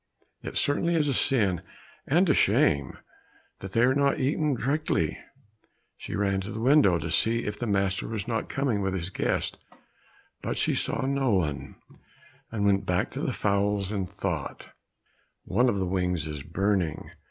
It certainly is a sin and a shame that they are not eaten directly!" She ran to the window, to see if the master was not coming with his guest, but she saw no one, and went back to the fowls and thought, "One of the wings is burning!